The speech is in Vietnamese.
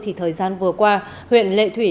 thì thời gian vừa qua huyện lệ thủy